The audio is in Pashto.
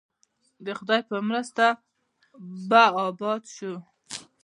د خدای په مرسته به اباد شو؟